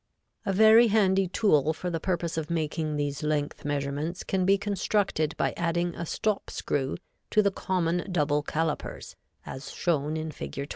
_] A very handy tool for the purpose of making these length measurements can be constructed by adding a stop screw to the common double calipers as shown in Fig.